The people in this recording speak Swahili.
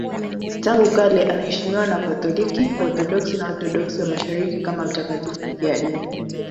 Tangu kale anaheshimiwa na Wakatoliki, Waorthodoksi na Waorthodoksi wa Mashariki kama mtakatifu mfiadini.